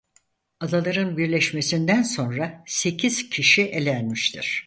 Adaların birleşmesinden sonra sekiz kişi elenmiştir.